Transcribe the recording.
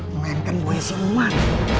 memainkan buaya sinuman